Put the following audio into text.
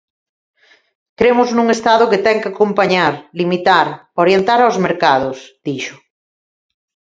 "Cremos nun Estado que ten que acompañar, limitar, orientar aos mercados", dixo.